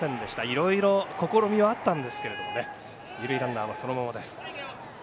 いろいろ、試みはあったんですけれども二塁ランナーはそのままです。